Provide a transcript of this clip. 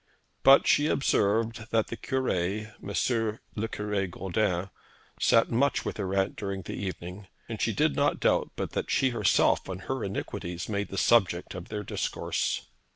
But she observed that the Cure M. le Cure Gondin sat much with her aunt during the evening, and she did not doubt but that she herself and her iniquities made the subject of their discourse.